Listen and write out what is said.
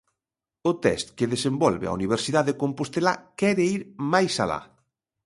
O test que desenvolve a universidade compostelá quere ir máis alá.